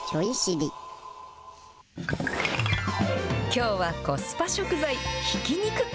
きょうはコスパ食材、ひき肉。